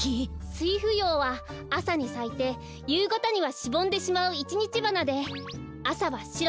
スイフヨウはあさにさいてゆうがたにはしぼんでしまういちにちばなであさはしろ。